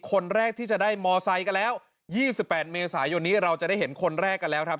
คนแรกที่จะได้มอไซค์กันแล้ว๒๘เมษายนนี้เราจะได้เห็นคนแรกกันแล้วครับ